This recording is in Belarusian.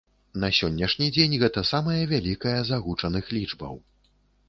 На сённяшні дзень гэта самая вялікая з агучаных лічбаў.